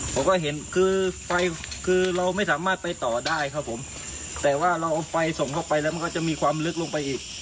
ผมก็เห็นคือไฟคือเราไม่สามารถไปต่อได้ครับผมแต่ว่าเราเอาไฟส่องเข้าไปแล้วมันก็จะมีความลึกลงไปอีก